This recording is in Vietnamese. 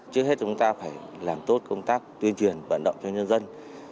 trước hết chúng ta phải làm tốt công tác tuyên truyền vận động cho nhân dân